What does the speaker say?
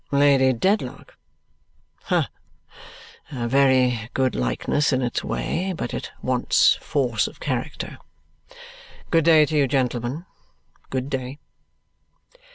'Lady Dedlock.' Ha! A very good likeness in its way, but it wants force of character. Good day to you, gentlemen; good day!"